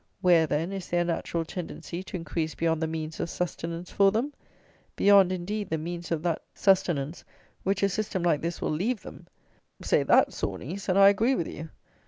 Where, then, is their natural tendency to increase beyond the means of sustenance for them? Beyond, indeed, the means of that sustenance which a system like this will leave them. Say that, Sawneys, and I agree with you.